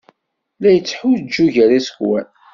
La yettḥuǧǧu gar yiẓekwan.